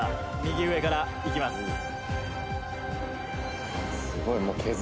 「いきます」